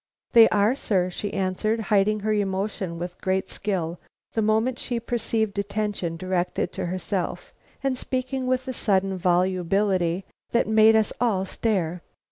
"They are, sir," she answered, hiding her emotion with great skill the moment she perceived attention directed to herself, and speaking with a sudden volubility that made us all stare.